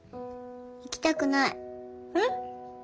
行きたくない。え？